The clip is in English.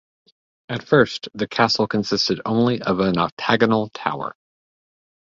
At first the castle consisted only of an octagonal tower.